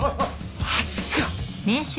マジか！